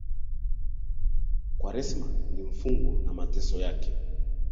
Kwaresima ni mafungo na mateso yake